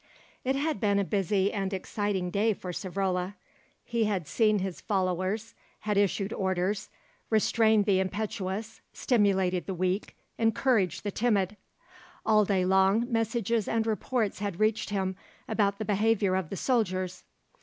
It had been a busy and exciting day for Savrola. He had seen his followers, had issued orders, restrained the impetuous, stimulated the weak, encouraged the timid. All day long messages and reports had reached him about the behaviour of the soldiers.